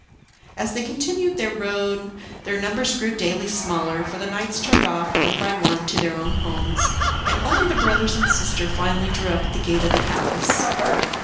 As they continued their road their numbers grew daily smaller, for the knights turned off one by one to their own homes, and only the brothers and sister finally drew up at the gate of the palace.